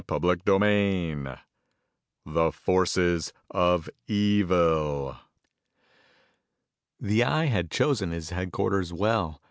CHAPTER VIII The Forces Of Evil The Eye had chosen his headquarters well.